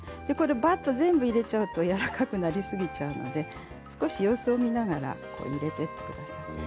ばっと全部入れちゃうとやわらかくなりすぎちゃうので少し様子を見ながら入れていってください。